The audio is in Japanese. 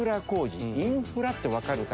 インフラってわかるかな？